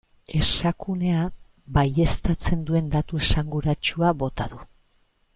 Esakunea baieztatzen duen datu esanguratsua bota du.